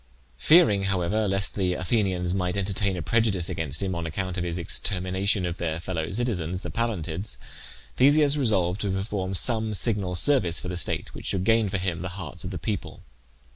Fearing, however, lest the Athenians might entertain a prejudice against him on account of his extermination of their fellow citizens, the Pallantids, Theseus resolved to perform some signal service for the state, which should gain for him the hearts of the people.